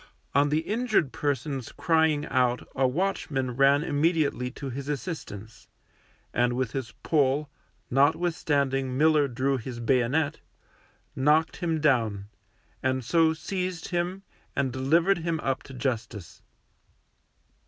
On the injured person's crying out a watchman ran immediately to his assistance, and with his pole, notwithstanding Miller drew his bayonet, knocked him down, and so seized him and delivered him up to Justice.